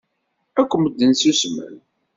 Akk medden ssusmen.